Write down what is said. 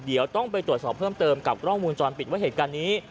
เดี๋ยวต้องไปตรวจสอบเพิ่มเติมกับกล้องวงจรปิดว่าเหตุการณ์นี้